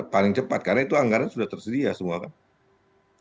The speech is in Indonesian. paling cepat karena itu anggaran sudah tersedia semua kan